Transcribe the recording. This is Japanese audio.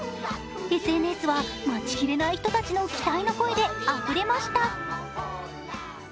ＳＮＳは、待ちきれない人たちの期待の声であふれました。